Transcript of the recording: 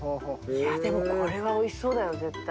いやでもこれはおいしそうだよ絶対。